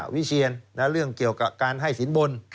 วิเชียนเรื่องเกี่ยวกับการให้สินบน